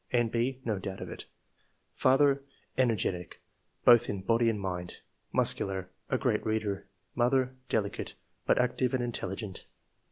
[N.B. No doubt of it.] " Father — Energetic, both in body and mind ; muscular ; a great reader. Mother — Delicate, but active and intelligent."